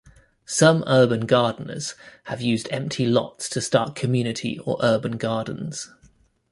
Some urban gardeners have used empty lots to start community or urban gardens.